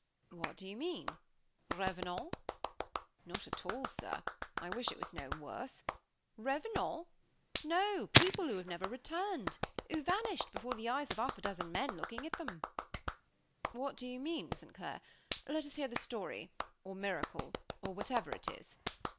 "What do you mean? Revenants?" "Not at all, sir; I wish it was no worse. Revenants? No! People who have never returned who vanished, before the eyes of half a dozen men all looking at them." "What do you mean, St. Clair? Let us hear the story, or miracle, or whatever it is."